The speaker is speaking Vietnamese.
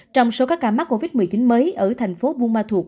trong số các ca mắc covid một mươi chín mới ở thành phố buôn ma thuột